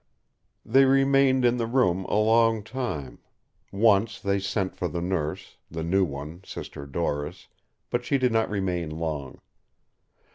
They remained in the room a long time; once they sent for the Nurse, the new one, Sister Doris, but she did not remain long.